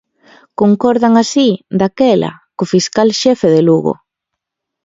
Concordan así, daquela, co fiscal xefe de Lugo.